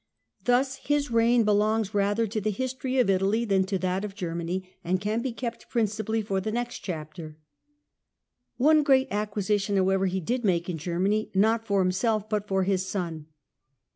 Thus his reign belongs rather to the history of Italy than to that of Germany, and can be kept principally for the next chapter (see chapter ii.). One great acquisition, however, he did make in Ger many, not for himself but for his son.